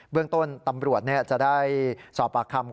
เรื่องต้นตำรวจจะได้สอบปากคำ